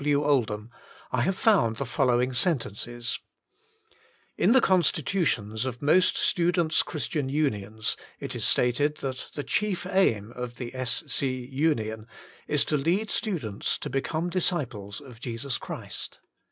W. Oldham, I have found the following sen tences: — "In the constitutions of most Students' Christian Unions it is stated that the Chief Aim of the S. C. Union is to lead students to become disciples of Jesus Christ.